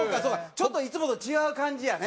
ちょっといつもと違う感じやね。